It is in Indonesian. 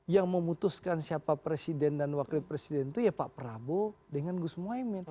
yang memutuskan siapa presiden dan wakil presiden itu ya pak prabowo dengan gus muhaymin